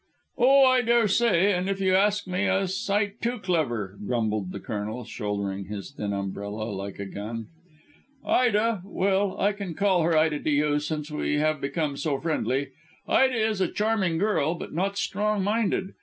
"Oh, I daresay, and, if you ask me, a sight too clever," grumbled the Colonel, shouldering his thin umbrella like a gun. "Ida well, I can call her Ida to you, since we have become so friendly Ida is a charming girl, but not strong minded.